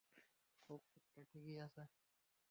কুকুরটা ঠিকই আছে!